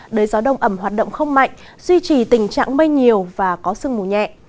đới gió đông ẩm hoạt động không mạnh duy trì tình trạng mây nhiều và có sương mù nhẹ